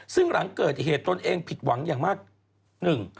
ซึ่งหลังเกิดเหตุตนเองผิดหวังอย่างมากหนึ่ง